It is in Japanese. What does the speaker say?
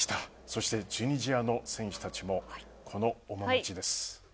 そして、チュニジアの選手たちもこの面持ちです。